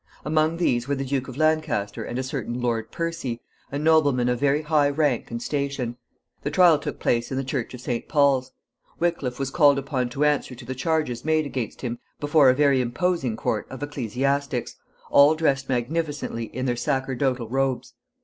Among these were the Duke of Lancaster and a certain Lord Percy, a nobleman of very high rank and station. The trial took place in the Church of St. Paul's. Wickliffe was called upon to answer to the charges made against him before a very imposing court of ecclesiastics, all dressed magnificently in their sacerdotal robes.